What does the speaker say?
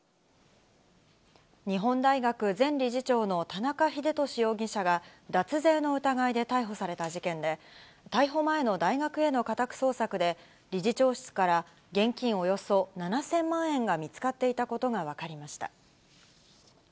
日本大学前理事長の田中英壽容疑者が、脱税の疑いで逮捕された事件で、逮捕前の大学への家宅捜索で、理事長室から現金およそ７０００万円が見つかっていたことが分かりました。